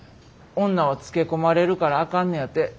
女はつけ込まれるからあかんのやて。